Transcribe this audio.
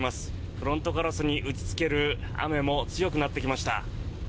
フロントガラスに打ちつける雨も強くなってきました。